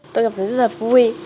tôi cảm thấy rất là vui